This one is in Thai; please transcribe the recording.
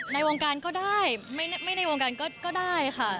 ในวงการก็ได้ในวงการก็ได้ค่ะ